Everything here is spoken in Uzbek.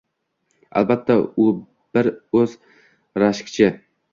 Albatta u bir oz rashkchi.